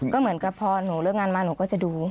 ก็เหมือนกับพอหนูเลิกงานมาหนูก็จะดู